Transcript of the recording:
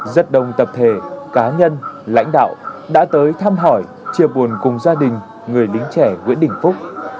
rất đông tập thể cá nhân lãnh đạo đã tới thăm hỏi chia buồn cùng gia đình người lính trẻ nguyễn đình phúc